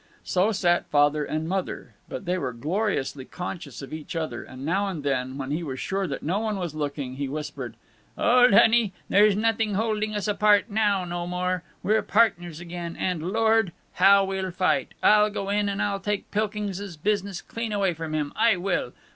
So sat Father and Mother, but they were gloriously conscious of each other, and now and then, when he was sure that no one was looking, he whispered: "Old honey, there's nothing holding us apart now no more. We're partners again, and Lord! how we'll fight! I'll go in and I'll take Pilkings's business clean away from him, I will!